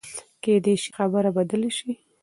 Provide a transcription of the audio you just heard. کېدای شي خبره بدله شي.